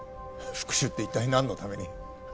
復讐って一体何のために？